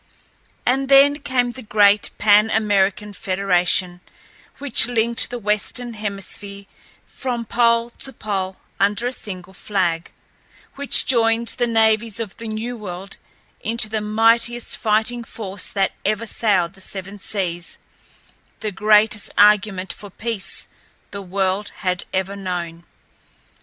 And then came the great Pan American Federation which linked the Western Hemisphere from pole to pole under a single flag, which joined the navies of the New World into the mightiest fighting force that ever sailed the seven seas—the greatest argument for peace the world had ever known.